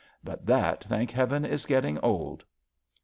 But that, thank Heaven, is getting old.'